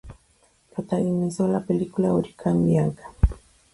Protagonizó la película "Hurricane Bianca".